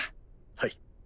はい。